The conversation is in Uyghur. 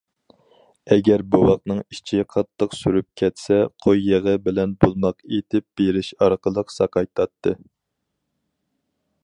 ئەگەر بوۋاقنىڭ ئىچى قاتتىق سۈرۈپ كەتسە، قوي يېغى بىلەن بۇلماق ئېتىپ بېرىش ئارقىلىق ساقايتاتتى.